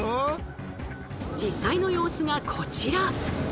実際の様子がこちら。